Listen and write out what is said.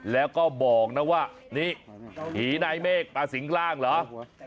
แล้วก็บอกนะว่านี่หีน่ะไอ้เมฆปลาสิงค์ร่างเหรอ